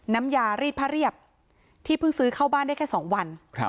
น้ำยารีดผ้าเรียบที่เพิ่งซื้อเข้าบ้านได้แค่๒วัน